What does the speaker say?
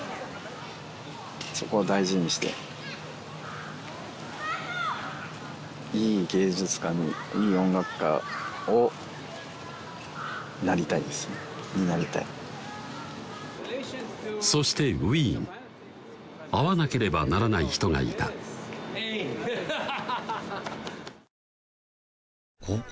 そこを大事にしていい芸術家にいい音楽家をなりたいですねになりたいそしてウィーン会わなければならない人がいたハハハハ！